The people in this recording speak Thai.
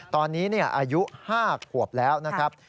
ตอนนี้อายุ๕ขวบแล้วนะครับ